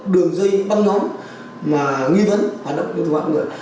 đường dây băng nóng nghi vấn hoạt động cho các loại người